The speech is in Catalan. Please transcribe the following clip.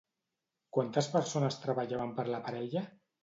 Quantes persones treballaven per la parella?